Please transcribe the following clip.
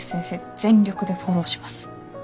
全力でフォローします。